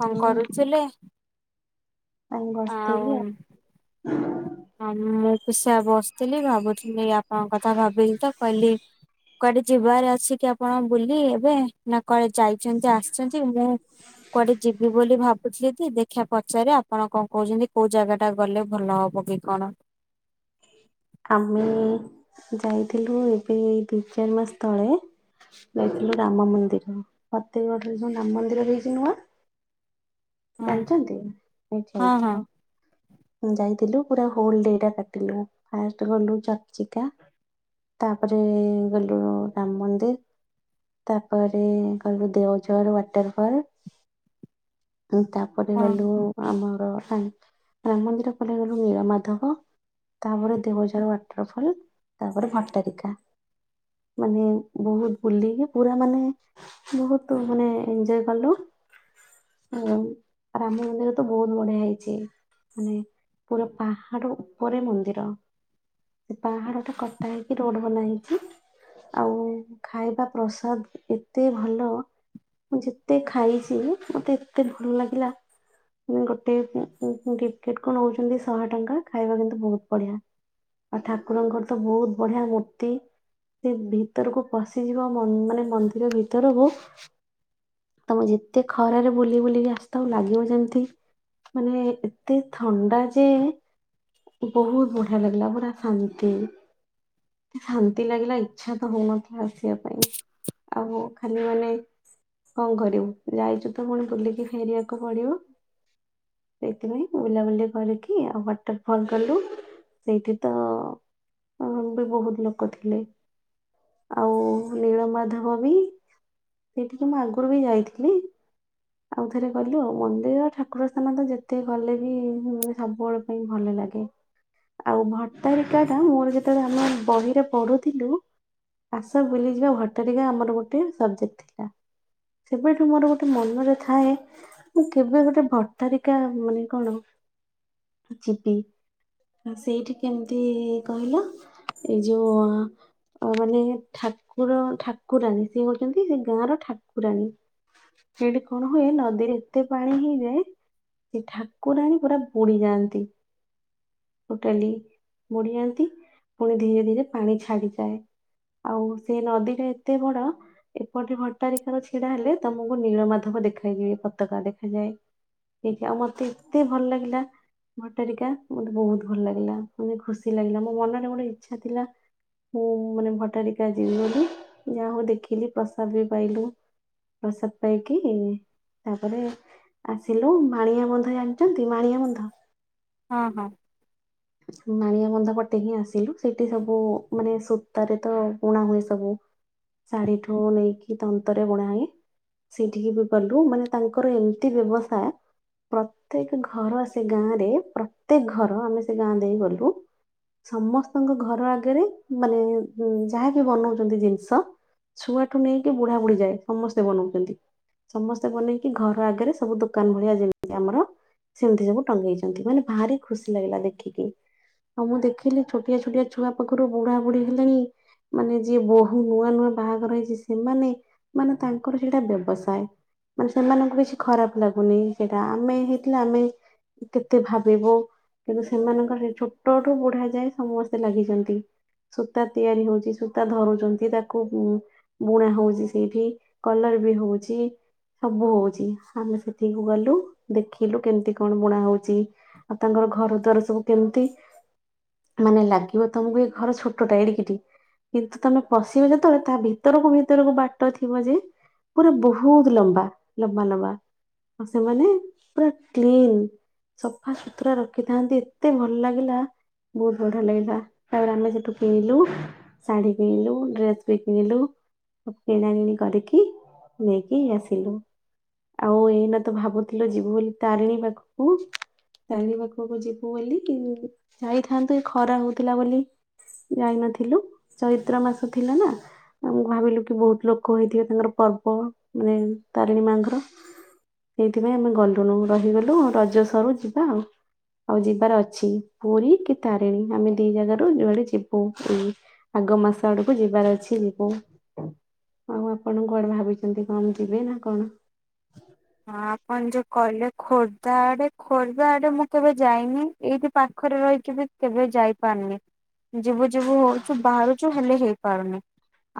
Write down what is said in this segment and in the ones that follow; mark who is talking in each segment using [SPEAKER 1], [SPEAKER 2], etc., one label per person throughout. [SPEAKER 1] କଣ କରୁଥିଲେ?
[SPEAKER 2] ଆଇଁ ବଷିଥିଲି ଆଉ।
[SPEAKER 1] ହଁ ମୁଁ ପି ସେୟା ବସିଥିଲି ଭାବୁଥିଲି ଆପଣଙ୍କ କଥା ଭାବିଲି ତ କହିଲି କୁଆଡେ ଯିବାରେ ଅଛି କି ଆପଣ ବୁଲି ଏବେ ନା କୁଆଡେ ଯାଇଚନ୍ତି ଆସିଚନ୍ତି ମୁଁ କୁଆଡେ ଯିବି ବୋଲି ଭାବୁଥିଲି ଦେଖିବା ପଚାରି ଆପଣ କଣ କହୁଚନ୍ତି କୋଉ ଜାଗା ଟା ଗଲେ ଭଲ ହବ ହବ କି କଣ।
[SPEAKER 2] ଆମେ ଯାଇଥିଲୁ ଏବେ ଦି ଚାରି ମାସ ତଳେ ଯାଇଥିଲୁ ରାମ ମନ୍ଦିର ଫତେହଗଡରେ ଯୋଉ ରାମ ମନ୍ଦିର ହେଇଚି ନୂଆ।
[SPEAKER 1] ହଁ
[SPEAKER 2] ଜାଣିଚନ୍ତି ଏଠି
[SPEAKER 1] ହଁ ହଁ
[SPEAKER 2] ଯାଇଥିଲୁ ଯାଇଥିଲୁ ପୁରା ହୋଲ ଡେ ଟା କାଟିଲୁ। ଫାଷ୍ଟ ଗଲୁ ଚର୍ଚ୍ଚିକା ତାପରେ ଗଲୁ ରାମ ମନ୍ଦିର ତାପରେ ଗଲୁ ଦେଓଝର ୱାଟର ଫଲ୍। ଉଁ ତାପରେ
[SPEAKER 1] ହଁ
[SPEAKER 2] ଗଲୁ ଆମ ତ ଆମ ରାମ ମନ୍ଦିର ପରେ ଗଲୁ ନୀଳ ମାଧବ। ତାପରେ ଦେଓଝର ୱାଟରଫଲ ତାପରେ ଭଟାରିକା ମାନେ ବହୁତ ବୁଲିଲୁ ପୁରା ମାନେ ବହୁତ ମାନେ ଏଞୟ କଲୁ ଏମ ରାମ ମନ୍ଦିର ତ ବହୁତ ବଢିଆ ହେଇଚି ମାନେ ପୁରା ପାହାଡ ଉପରେ ମନ୍ଦିର। ର ସେ ପାହାଡ ଟା କଟା ହେଇକି ରୋଡ ବନା ହେଇଚି ଆଉ ଖାଇବା ପ୍ରସାଦ ଏତେ ଭଲ ମୁଁ ଯେତେ ଖାଇଛି ମତେ ଏତେ ଭଲ ଲାଗିଲା ଗୋଟେ ଉଁ ଉଁ ଟିକେଟ କୁ ନଉଚନ୍ତି ଶହେ ଟଙ୍କା ଖାଇବା କିନ୍ତୁ ବହୁତ ବଢିଆ ଆଉ ଠାକୁରଙ୍କର ତ ବହୁତ ବଢିଆ ମୂର୍ତ୍ତି ସେ ଭିତରକୁ ପଶିଯିବ ମନ୍ଦ ମାନେ ମନ୍ଦିର ଭିତରକୁ ତମେ ଯେତେ ଖରାରେ ବୁଲି ବୁଲିକି ଆସିଥାଅ ଲାଗିବ ଯେମିତି ମାନେ ଏତେ ଥଣ୍ଡା ଯେ ବହୁତ ବଢିଆ ଲାଗିଲା ପୁରା ଶାନ୍ତି ଶାନ୍ତି ଲାଗିଲା ଇଚ୍ଛା ତ ହଉନଥିଲା ଆସିବା ପାଇଁ ଆଉ ଖାଲି ମାନେ କଣ କରିବୁ ଯାଇଚୁ ତ ପୁଣି ବୁଲିକି ଫେରିବାକୁ ପଡିବ ସେଇଥିପାଇଁ ବୁଲାବୁଲି କରିକି ଆଉ ୱାଟରଫଲ କଲୁ ସେଇଠି ତ ବି ବହୁତ ଲୋକ ଥିଲେ ଆଉ ନୀଳ ମାଧବ ବି ସେଇଠିକି ମୁଁ ଆଗରୁ ବି ଯାଇଥିଲି ଆଉଥରେ କହିଲୁ ମନ୍ଦିର ଠାକୁର ସ୍ଥାନ ତ ଯେତେ ଗଲେ ବି ମେ ସବୁବେଳେ ପାଇଁ ଭଲ ଲାଗେ। ଆଉ ଭଟ୍ଟାରିକା ଟା ମୋର ଯେତେବେଳେ ଆମେ ବହିରେ ପଢୁଥିଲୁ ଆସ ବୁଲିଯିବା ଭଟ୍ଟାରିକା ଆମର ଗୋଟେ ସବଜେକ୍ଟ ଥିଲା ସେବେଠୁ ମୋର ଗୋଟେ ମନରେ ଥାଏ ମୁଁ କେବେ ଗୋଟେ ଭଟ୍ଟାରିକା ମାନେ କଣ ଯିବି ଆ ସେଇଠି କେମିତି କହିଲ ଏଇ ଯୋଉ ମାନେ ଠାକୁର ଠାକୁରାଣୀ ସିଏ କହୁଚନ୍ତି ସେ ଗାଁର ଠାକୁରାଣୀ ସେଇଠି କଣ ହୁଏ ନଦୀରେ ଏତେ ପାଣି ହେଇଯାଏ ସେ ଠାକୁରାଣୀ ପୁରା ବୁଡି ଯାଆନ୍ତି। ଟୋଟାଲି ବୁଡିଯାନ୍ତି ପୁଣି ଧୀରେ ଧୀରେ ପାଣି ଛାଡିଯାଏ ଆଉ ସେ ନଦୀଟା ଏତେ ବଡ ଏପଟେ ଭଟାରିକାର ଛିଡା ହେଲେ ତମକୁ ନୀଳ ମାଧବ ଦେଖାଇଏ ପତାକା ଦେଖାଯାଏ ହେ ଆଉ ମତେ ଏତେ ଭଲ ଲାଗିଲା ଭଟାରିକା ମତେ ବହୁତ ଭଲ ଲାଗିଲା ମତେ ଖୁସି ଲାଗିଲା ମୋ ମନରେ ଗୋଟେ ଇଚ୍ଛା ଥିଲା ମୁଁ ମାନେ ଭଟାରିକା ଯିବି ବୋଲି ଯାହା ହଉ ଦେଖିଲି ପ୍ରସାଦ ବି ପାଇଲୁ ପ୍ରସାଦ ପାଇକି ତାପରେ ଆସିଲୁ ମାଣିଆ ବନ୍ଧ ଜାଣିଚନ୍ତି ମାଣିଆ ବନ୍ଧ?
[SPEAKER 1] ହଁ ହଁ।
[SPEAKER 2] ମାଣିଆ ବନ୍ଧ ପଟେ ହିଁ ଆସିଲୁ ସେଇଠି ସବୁ ମାନେ ସୂତାରେ ତ ବୁଣା ହୁଏ ସବୁ ଶାଢୀଠୁ ନେଇକି ତନ୍ତରେ ବୁଣା ହୁଏ ସେଠିକି ବି କଲୁ ମାନେ ତାଙ୍କର ଏମିତି ବ୍ୟବସାୟ ପ୍ରତ୍ୟେକ ଘର ସେ ଗାଁ ରେ ପ୍ରତ୍ୟେକ ଘର ଆମେ ସେ ଗାଁ ଦେଇ ଗଲୁ ସମସ୍ତଙ୍କ ଘର ଆଗରେ ମାନେ ଯାହାକି ବନଉଛନ୍ତି ଜିନିଷ ଛୁଆଠୁ ନେଇକି ବୁଢା ବୁଢୀ ଯାଏ ସମସ୍ତେ ବନଉଛନ୍ତି ସମସ୍ତେ ବନେଇକି ଘର ଆଗରେ ସବୁ ଦୋକାନ ଭଳିଆ ଯେମିତି ଆମର ସେମିତି ସବୁ ଟଙ୍ଗେଇଛନ୍ତି ମାନେ ଭାରି ଖୁସି ଲାଗିଲା ଦେଖ ଦେଖିକି ଆଉ ମୁଁ ଦେଖିଲି ଛୋଟିଆ ଛୋଟିଆ ଛୁଆ ପାଖରୁ ବୁଢା ବୁଢୀ ହେଲେଣି ମାନେ ଯିଏ ବୋହୁ ନୂଆ ନୂଆ ବାହାଘର ହେଇଚି ସେମାନେ ମାନେ ତାଙ୍କର ସେଇଟା ବ୍ୟବସାୟ ମାନେ ସେମାନଙ୍କୁ କିଛି ଖରାପ ଲାଗୁନି ସେଇଟା ଆମେ ହେଇଥିଲା ଆମେ କେତେ ଭାବିବୁ କିନ୍ତୁ ସେମାନଙ୍କର ଛୋଟଠୁ ବୁଢା ଯାଏ ସମସ୍ତେ ଲାଗିଚନ୍ତି ସୂତା ତିଆରି ହଉଚି ସୂତା ଧରୁଛନ୍ତି ତାକୁ ବୁଣା ହଉଚି ସେଇଠି କଲର ବି ହଉଚି ସବୁ ହଉଚି ଆମେ ସେଠିକୁ ଗଲୁ ଦେଖିଲୁ କେମିତି କଣ ବୁଣା ହଉଚି ଆଉ ତାଙ୍କର ଘର ଦ୍ୱାର ସବୁ କେମିତି ମାନେ ଲାଗିବ ତମକୁ ଏ ଘର ଛୋଟଟା ଏଡିକିଠ କିନ୍ତୁ ତମେ ପଶିବ ଯେତେବେଳେ ତା ଭିତରକୁ ଭିତରକୁ ବାଟ ଥିବ ଯେ ପୁରା ବହୁତ ଲମ୍ବା ଲମ୍ବା ଲମ୍ବା ଆଉ ସେମାନେ ପୁରା କ୍ଲିନ ସଫା ସୁତୁର ରଖିଥାନ୍ତି ଏ ଏତେ ଭଲ ଲାଗିଲା ବହୁତ ବଢିଆ ଲାଗିଲା ତାପରେ ଆମେ ସେଠୁ କିଣିଲୁ ଶାଢୀ କିଣିଲୁ ଡ୍ରେସ୍ ବି କିଣିଲୁ କିଣା କିିଣି କରିକି ନେଇକି ଆସିଲୁ ଆଉ ଏଇନା ତ ଭାବୁଥିଲୁ ଯିବୁ ବୋଲି ତାରିଣୀ ପାଖକୁ ତାରିଣୀ ପାଖକୁ ଯୁ ବୋଲି ଯାଇଥାନ୍ତୁ ଏ ଖରା ହଉଥିଲା ବୋଲି ଯାଇନଥିଲୁ ଚୈତ୍ର ମାସ ଥିଲା ନା ଆମ ଭାବିଲୁ କି ବହୁତ ଲୋକ ହେଇଥିବେ ତାଙ୍କର ପର୍ବ ମାନେ ତାରିଣୀ ମାଙ୍କର ସେଇଥିପାଇଁ ଆମେ ଗଲୁନୁ ରହିଗଲୁ ରଜ ସରୁ ଯିବା ଆଉ। ଆଉ ଯିବାର ଅଛି ପୁରୀ କି ତାରିଣୀ ଆମେ ଦି ଜାଗାରୁ ଯୁଆଡେ ଯିବୁ ଏଇ ଆଗ ମାସ ଆଡକୁ ଯିବାର ଅଛି ଯିବୁ ଆଉ ଆପଣ କୁଆଡେ ଭାବିଚନ୍ତି କଣ ଯିବେ ନା କଣ?
[SPEAKER 1] ହଁ ଆପଣ ଯୋଉ କହିଲେ ଖୋର୍ଦ୍ଧା ଆଡେ ଖୋର୍ଦ୍ଧା ଆଡେ ମୁଁ କେବେ ଯାଇନି ଏଇଠି ପାଖରେ ରହିକି ବି କେବେ ଯାଇପାରୁନି ଯିବୁ ଯିବୁ ହଉଚୁ ବାହାରୁଚୁ ହେଲେ ହେଇପାରୁନି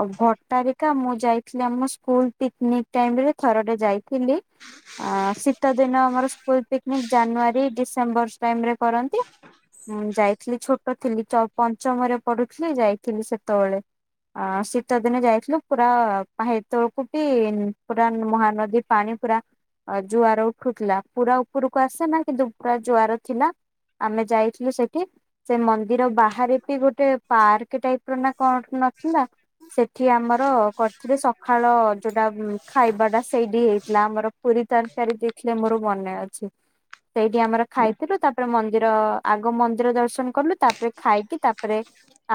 [SPEAKER 1] ଆଉ ଭଟଟାରିକା ମୁଁ ଯାଇଥିଲି ଆମ ସ୍କୁଲ ପିକନିକ ଟାଇମ୍ ରେ ଥରେ ଟେ ଯାଇଥିଲି। ଆ ଶୀତ ଦିନ ଆମର ସ୍କୁଲ ପିକନିକ ଜାନୁଆରୀ ଡିସେମ୍ବର ଟାଇମ ରେ କରନ୍ତି ଯାଇଥିଲି ଛୋଟ ଥିଲି ଚ ପଞ୍ଚମରେ ପଢୁଥିଲି ଯାଇଥିଲି ସେତେବେଳେ ଶୀତ ଦିନ ଯାଇଥିଲୁ ପୁରା ପା ତେବେଳକୁ ବି ପୁରା ମହାନଦୀ ପାଣି ପୁରା ଜୁଆର ଉଠୁଥିଲା ପୁରା ଉପରକୁ ଆସେ ନା କିନ୍ତୁ ପୁରା ଜୁଆର ଥିଲା ଆମେ ଯାଇଥିଲୁ ସେଠି ସେ ମନ୍ଦିର ବାହାରେ ବି ଗୋଟେ ପାର୍କ ଟାଇପ୍ ର ନା କଣ ନଥିଲା ସେଠି ଆମର କରିଥିଲେ ସକାଳ ଯୋଉଟା ଖାଇବା ଟା ସେଇଠି ହେଇଥିଲା ଆମର ପୁରୀ ତରକାରୀ ଦେଇଥିଲେ ମୋର ମନେ ଅଛି ସେଇଠି ଆମର ଖାଇଥିଲୁ ତାପରେ ମନ୍ଦିର ଆଗ ମନ୍ଦିର ଦର୍ଶନ କଲୁ ତାପରେ ଖାଇକି ତାପରେ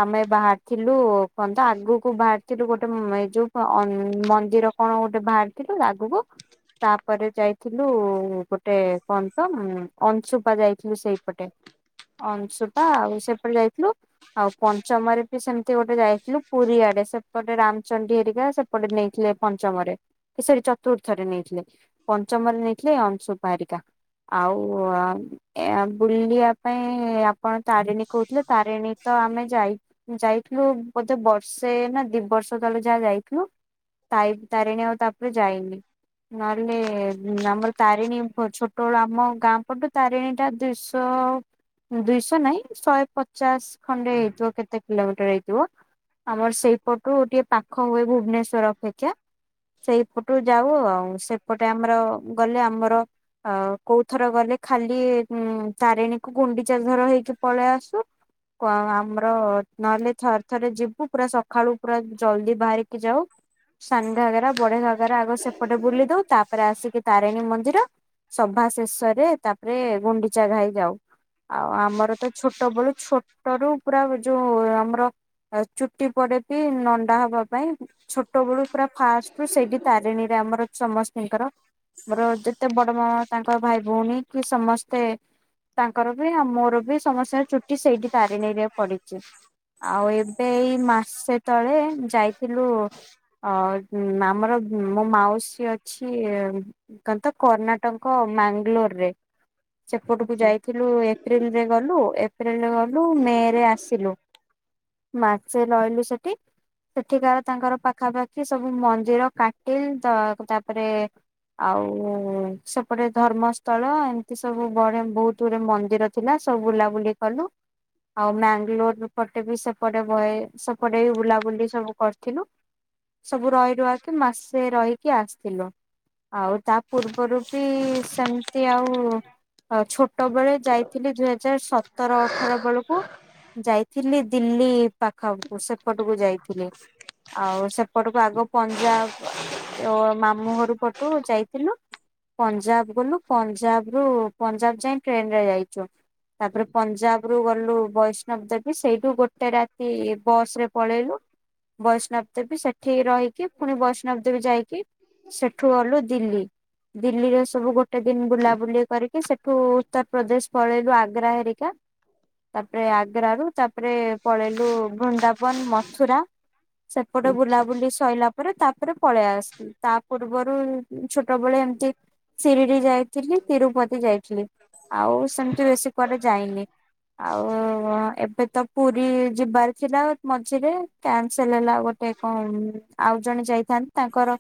[SPEAKER 1] ଆମେ ବାହାରିଥିଲୁ କଣ ତ ଆଗକୁ ବାହାରିଥିଲୁ ଗୋଟେ ମ୍ ଏଇ ଯୋଉ ମନ୍ଦିର କଣ ଗୋଟେ ବାହାରିଥିଲୁ ଆଗକୁ ତାପରେ ଯାଇଥିଲୁ ଗୋଟେ କଣ ତ ଉ ଅଂଶୁପା ଯାଇଥିଲୁ ସେଇପଟେ ଅଂଶୁପା ଆଉ ସେପଟେ ଯାଇଥିଲୁ ଆଉ ପଞ୍ଚମରେ ବି ସେମିତି ଗୋଟେ ଯାଇଥିଲୁ ପୁରୀଆଡେ ସେପଟେ ରାମଚଣ୍ଡୀ ହେରିକା ସେପଟେ ନେଇଥିଲେ ପଞ୍ଚମରେ ଏ ସରି ଚତୁର୍ଥରେ ନେଇଥିଲେ। ପଞ୍ଚମରେ ନେଇଥିଲେ ଅଂଶୁପା ହେରିକା ଆଉ ଏ ବୁଲିବା ଆ ପାଇଁ ଆପଣ ତାରିଣୀ କହୁଥିଲେ ତାରିଣୀ ତ ଆମେ ଯାଇ ଯାଇଥିଲୁ ବୋଧେ ବର୍ଷେ ନା ଦି ବର୍ଷ ତଳେ ଯାହା ଯାଇଥିଲୁ ତାଇ ତାରିଣୀ ଆଉ ତାପରେ ଯାଇନି ନହେଲେ ଆମର ତାରିଣୀ ଛୋଟବେଳୁ ଆମ ଗାଁ ପଟୁ ତାରିଣୀ ଟା ଦୁଇଶହ ଦୁଇଶହ ନାଇଁ ଶହେ ପଚାଶ ଖଣ୍ଡେ ହେଇଥିବ କେତେ କିଲୋମିଟର ହେଇଥିବ ଆମର ସେଇପଟୁ ଟିକେ ପାଖ ଖ ହୁଏ ଭୁବନେଶ୍ଵର ଅପେକ୍ଷା ସେଇପଟୁ ଯାଉ ଆଉ। ସେପଟେ ଆମର ଗଲେ ଆମର ଅ କୋଉଥର ଗଲେ ଖାଲି ଉ ତାରିଣୀ ଗୁଣ୍ଡିଚା ଧର ହେଇକି ପଳେଇ ଆସୁ କଁ ଆମର ର ନହେଲେ ଥରେ ଥରେ ଯିବୁ ପୁରା ସକାଳୁ ପୁରା ଜଲଦି ବାହାରିକି ଯାଉ ସାନ ଘାଗାରା ବଡ଼ ଘାଗରେ ଆଗ ସେପଟେ ବୁଲି ତାପରେ ଆସିକି ତାରିଣୀ ମନ୍ଦିର ସଭା ଶେଷରେ ତାପରେ ଗୁଣ୍ଡିଚା ଘାଇ ଯାଉ ଆଉ ଆମର ତ ଛୋଟ ବେଳୁ ଛୋଟରୁ ପୁରା ଯୋଉ ଆମର ଚୁଟି ପଡେ ତି ନଣ୍ଡା ହବା ପାଇଁ ଛୋଟ ବେଳୁ ପୁରା ଫାଷ୍ଟରୁ ସେଇଠି ତାରିଣୀରେ ଆମର ସମସ୍ତଙ୍କର ମୋର ଯେତେ ବଡ ମା ତାଙ୍କ ଭାଇ ଭଉଣୀ କି ସମସ୍ତେ ତାଙ୍କର ବି ଆଉ ମୋର ବି ସମସ୍ତଙ୍କ ଚୁଟି ସେଇଠି ତାରିଣୀରେ ପଡିଚି ଆଉ ଏବେ ଏଇ ମାସେ ତଳେ ଯାଇଥିଲୁ ଉଁ ଆମର ମୋ ମାଉସୀ ଇଏ ଅଛି କଣ ତ କର୍ଣ୍ଣାଟକ ମ୍ୟାଙ୍ଗାଲୋରରେ ସେପଟକୁ
[SPEAKER 2] ଆଚ୍ଛା
[SPEAKER 1] ଯାଇଥିଲୁ ଏପ୍ରିଲରେ ଗଲୁ। ଏ ପ୍ରିଲରେ ଗଲୁ ମେ ରେ ଆସିଲୁ ମାର୍ଚ୍ଚରେ ରହିଲୁ ସେଠି। ସେଠିକ ତାଙ୍କର ପାଖାପାଖି ସବୁ ମଞ୍ଜିର କାଟିଲ୍ ଦ ତାପରେ ଆଉ ସେପଟେ ଧର୍ମସ୍ଥଳ ଏମିତି ସବୁ ବଡେ ବୋହୁତ ଗୁରେ ମନ୍ଦିର ଥିଲା ସବୁ ବୁଲାବୁଲି କଲୁ ଆଉ ମ୍ୟାଙ୍ଗାଲୋର ପଟେ ବି ସେପଟେ ବହେ ସେପଟେ ବି ବୁଲାବୁଲି ସବୁ କରିଥିଲୁ। ସବୁ ରହି ରୁଆ କି ମାସେ ରହି କି ଆସିଥିଲୁ। ଆଉ ତା ପୂର୍ବରୁ ବି ସେମ୍। ଆଉ ଛୋଟ ବେଳେ ଯାଇଥିଲି ଦୁଇ ହଜାର ସତର ଅଠର ବେଳକୁ ଯାଇଥିଲି ଦିଲ୍ଲୀ ପାଖକୁ ସେପଟକୁ ଯାଇଥିଲି ଆଉ ସେପଟକୁ ଆଗ ପଞ୍ଜାବ। ଅ ମାମୁଁ ଘରୁ ପଟୁ ଯାଇଥିଲୁ ପଞ୍ଜାବ ଗଲୁ। ପଞ୍ଜାବ ରୁ ପଞ୍ଜାବ ଯାଏଁ ଟ୍ରେନରେ ଯାଇଚୁ ତାପରେ ପଞ୍ଜାବରୁ ଗଲୁ ବୈଷ୍ଣବ ଦେବୀ ସେଇଠୁ ଗୋଟେ ରାତି ବସରେ ପଳେଇଲୁ। ବୈଷ୍ଣବ ଦେବୀ ସେଠି ରହିକି ଫୁଣି ବୈଷ୍ଣବ ଯାଇକି। ସେଠୁ ଗଲୁ ଦିଲ୍ଲୀ। ଦିଲ୍ଲୀରେ ସବୁ ଗୋଟେ ଦିନ ବୁଲାବୁଲି କରିକି ସେ ଠୁ ଉତ୍ତର ପ୍ର୍ରଦେଶ ପଳେଇଲୁ ଆଗ୍ରା ହେରିକା ତାପରେ ଆଗ୍ର ରୁ ତାପରେ ପଳେଇଲୁ ବୃନ୍ଦାବନ ମଥୁରା। ସେପଟେ
[SPEAKER 2] ଆଚ୍ଛା
[SPEAKER 1] ବୁଲାବୁଲି ସୋଇଲା ପରେ ତା ପଳେଇ ଆସିଲି ତା ପୂର୍ବରୁ ଛୋଟବେଳେ ଏମିତି ସିରିଡି ଯାଇ ଥିଲି ତିରୁପତି ଯାଇଥିଲି ଆଉ ସେମିତି ବେଶୀ ପରେ ଯାଇନି। ଆଉ ଏବେ ତ ପୁରୀ ଯିବାର ଥିଲା ମଝିରେ କ୍ୟାନସଲ ହେଲା ଗୋଟେ କଣ ଆଉ ଜଣେ ଯାଇଥାନ୍ତି। ତାଙ୍କର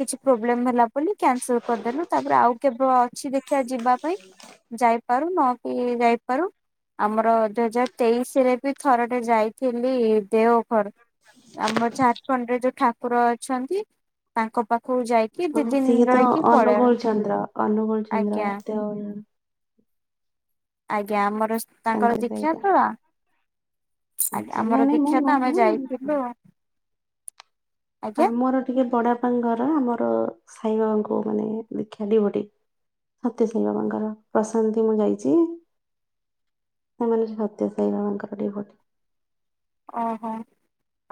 [SPEAKER 1] କିଛି ପ୍ରୋବ୍ଲେମ ହେଲା ବୋଲି କ୍ୟାନସଲ କରିଦେଲୁ ତାପରେ ଆଉ କେବେଳ ଅଛି ଦେଖିବା ଯିବା ପାଇଁ, ଯାଇପାରୁ ନକ ଯାଇପାରୁ ଆମର ଦୁଇ ହଜାର ତେଇଶି ରେ ବି ଥର ଟେ ଯାଇଥିଲି ଦେଓ। ଆମ ଝାରଖଣ୍ଡ ରେ ଯୋଉ ଠାକୁର ଅଛନ୍ତି। ତାଙ୍କ ପାଖ
[SPEAKER 2] ହ ସିଏ ତ ଅନୁଗୋଳ ଚନ୍ଦ୍ର ଅନୁଗୋଳ ଚନ୍ଦ୍ର
[SPEAKER 1] ଆଜ୍ଞା
[SPEAKER 2] ତ
[SPEAKER 1] ଆଜ୍ଞା ଆମର ତାଙ୍କର ଦଖା ତ ଆଜ୍ଞା
[SPEAKER 2] ଆଚ୍ଛା ନାଇଁ
[SPEAKER 1] ଆମର
[SPEAKER 2] ନାଇଁ ମୁଁ
[SPEAKER 1] ଦୀକ୍ଷା ତ ଆମେ
[SPEAKER 2] ନୁହେଁ
[SPEAKER 1] ଯାଇଥିଲୁ। ଆଜ୍ଞା
[SPEAKER 2] ଆମର ଟିକେ ବଡାପ ଘର ଆମର ସାଇ ବାବାଙ୍କୁ ମାନେ ଦେଖିବା ଡିଭୋଟି ସତ୍ୟ ସାଇ ବାବାଙ୍କର ପ୍ରଶାନ୍ତି ମୁଁ ଯାଇଛି ସେମାନେ ସତ୍ୟ ସାଇ ବାବାଙ୍କର ଡିଭୋଟି।
[SPEAKER 1] ଓହୋ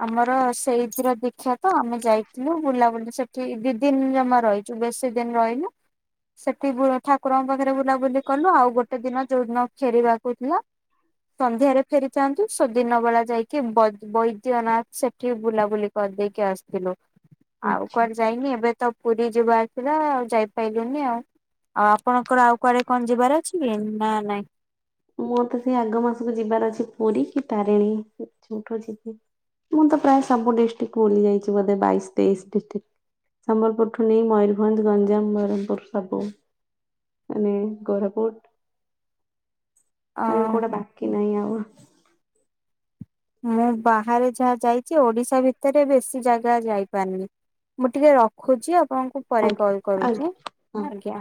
[SPEAKER 1] ଆମର ସେଇଥିର ଦୀଖା ତ ଆମେ ଯାଇଥିଲୁ, ବୁଲାବୁଲି ସେଠି ଦି ଦିନ ଜମା ରହିଛୁ ବେଶୀ ଦିନ ରହିଲୁ, ସେଠି ଠାକୁରଙ୍କ ପାଖରେ ବୁଲାବୁଲି କଲୁ ଆଉ ଗୋଟେ ଦିନ ଯୋଉଦିନ ଫେରିବାକୁ ଥିଲା, ସନ୍ଧ୍ୟାରେ ଫେରିଥାନ୍ତୁ ସେଦିନ ବେଳେ ଯାଇକ କି ବୈଦ୍ୟନାଥ ସେଠି ବୁଲାବୁଲି କରିଦେଇକି ଆସିଥିଲୁ।
[SPEAKER 2] ହୁଁ,
[SPEAKER 1] ଆଉ କ ଯାଇନି ଏବେ ତ ପୁରୀ ଯିବାର ଥିଲା ଆଉ ଯାଇପାରିଲୁନି ଆଉ ଆଉ ଆପଣଙ୍କର ଆଉ କୁଆଡେ କଣ ଯିବାର ଅଛି କି ନା ନାଇଁ
[SPEAKER 2] ମୁଁ ତ ସେଇ ଆଗ ମାସକୁ ଯିବାର ଅଛି ପୁରୀ କି ତାରିଣୀ ଯଉଠୁ ଯିବି ମୁଁ ତ ପ୍ରାୟ ସବୁ ଡିଷ୍ଟ୍ରିକ୍ଟ ବୁଲି ଯାଇଛି ବୋଧେ ବାଇଶ ତେଇଶ ଡିଷ୍ଟ୍ରିକ୍ଟ ସମ୍ବଲପୁରଠୁ ନେଇ ମୟୂରଭଞ୍ଜ ଗଞ୍ଜାମ ବରମପୁର ସବୁ ମାନେ କୋରାପୁଟ।
[SPEAKER 1] ଅ
[SPEAKER 2] ମାନେ କୋଉଟା ବାକି ନାହିଁ ଆଉ।
[SPEAKER 1] ମୁଁ ବାହାରେ ଯାହା ଯାଇଛି ଓଡିଶା ଭିତରେ ବେଶୀ ଜାଗା ଯାଇପାରୁନି ମୁଁ ଟିକେ ରଖୁଛି ଆପଣ ମୁ ପରେ
[SPEAKER 2] ଆଜ୍ଞା
[SPEAKER 1] କଲ୍
[SPEAKER 2] ଆଜ୍ଞା
[SPEAKER 1] କରୁଛି
[SPEAKER 2] ହଁ।
[SPEAKER 1] ଆଜ୍ଞା।